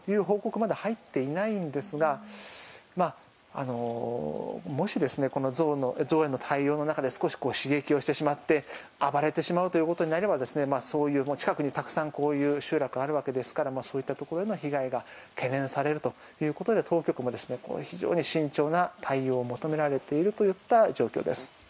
まだ入っていないんですがもし、この象への対応の中で少し刺激をしてしまって暴れてしまうということになれば近くにたくさんこういう集落があるわけですからそういったところへの被害が懸念されるということで当局も非常に慎重な対応を求められているということです。